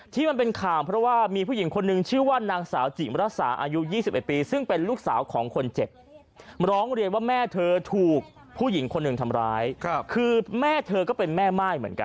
ที่มันเป็นข่าวเพราะว่ามีผู้หญิงคนนึงชื่อว่านางสาวจิมราษาอายุ๒๑ปีซึ่งเป็นลูกสาวของคนเจ็บ